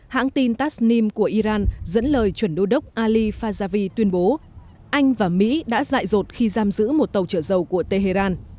hãng tin tasnim của iran dẫn lời chuẩn đô đốc ali fajavi tuyên bố anh và mỹ đã dại rột khi giam giữ một tàu trở dầu của tehran